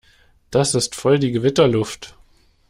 Das ist voll die Gewitterluft.